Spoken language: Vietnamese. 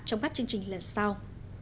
trong các chương trình lần sau